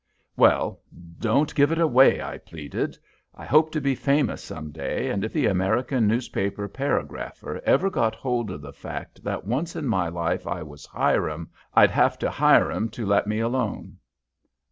"Well, don't give it away," I pleaded. "I hope to be famous some day, and if the American newspaper paragrapher ever got hold of the fact that once in my life I was Hiram, I'd have to Hiram to let me alone."